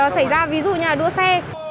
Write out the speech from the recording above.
xảy ra ví dụ như là đua xe